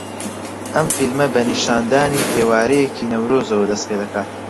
ئەم فیلمە بە نیشاندانی ئێوارەیەکی نەورۆزەوە دەست پێدەکات